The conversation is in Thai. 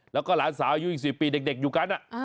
แล้วก็หลานสาอยู่อีก๑๐ปีเด็กอยู่กัน